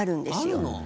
あるの？